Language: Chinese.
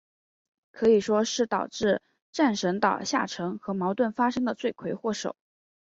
可以说是导致战神岛下沉和矛盾发生的罪魁祸首。